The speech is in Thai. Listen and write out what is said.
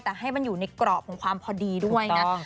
แต่ให้มันอยู่ในกรอบของความพอดีด้วยนะ